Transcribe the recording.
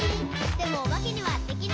「でもおばけにはできない。」